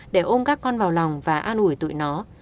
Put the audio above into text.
để ôm các con vào lòng và an ủi tội nó